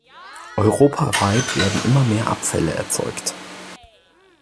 Europaweit werden immer mehr Abfälle erzeugt.